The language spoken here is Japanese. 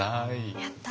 やった！